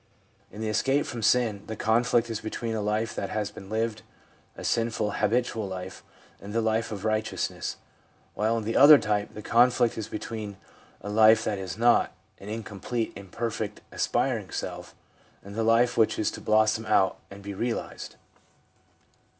In the escape from sin the conflict is between a life that has been lived — a sinful, habitual life — and the life of righteousness ; while in the other type the conflict is between a life that is not — an incomplete, imperfect, aspiring self — and the life which is to blossom out and be realised.